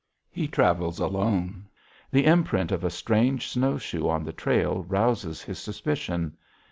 He travels alone. The imprint of a strange snowshoe on the trail rouses his suspicion.